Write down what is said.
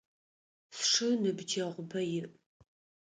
Сшы ныбджэгъубэ иӏ.